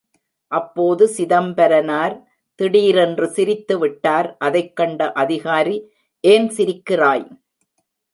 அப்போது சிதம்பரனார் திடீரென்று சிரித்து விட்டார் அதைக் கண்ட அதிகாரி ஏன், சிரிக்கிறாய்?